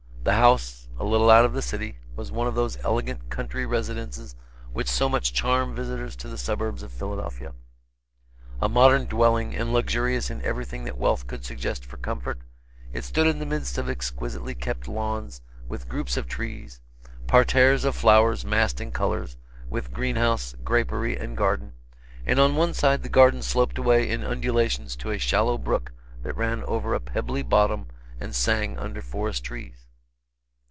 The house, a little out of the city; was one of those elegant country residences which so much charm visitors to the suburbs of Philadelphia. A modern dwelling and luxurious in everything that wealth could suggest for comfort, it stood in the midst of exquisitely kept lawns, with groups of trees, parterres of flowers massed in colors, with greenhouse, grapery and garden; and on one side, the garden sloped away in undulations to a shallow brook that ran over a pebbly bottom and sang under forest trees.